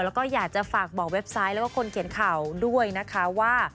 แล้วก็อยากจะฝากบอกเว็บไซต์แล้วก็คนเขียนข่าวด้วยนะคะว่า